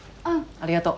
ありがとう。